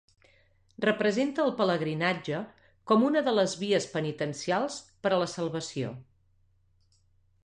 Representa el pelegrinatge com una de les vies penitencials per a la salvació.